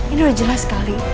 ini udah jelas sekali